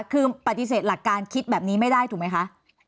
คือปฏิเสธหลักการคิดแบบนี้ไม่ได้ถูกไหมคะ